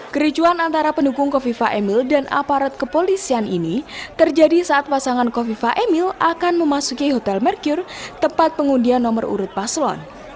kericuan antara pendukung kofifa emil dan aparat kepolisian ini terjadi saat pasangan kofifa emil akan memasuki hotel merkir tempat pengundian nomor urut paslon